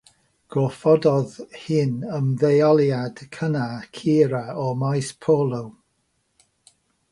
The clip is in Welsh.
Gorfododd hyn ymddeoliad cynnar Cura o'r maes polo.